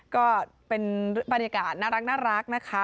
ก็เป็นบรรยากาศน่ารักนะคะ